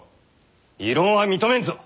異論は認めんぞ！